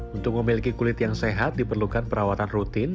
untuk memiliki kulit yang sehat diperlukan perawatan rutin